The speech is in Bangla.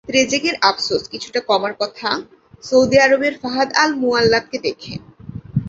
ত্রেজেগের আফসোস কিছুটা কমার কথা সৌদি আরবের ফাহাদ আল মুয়াল্লাদকে দেখে।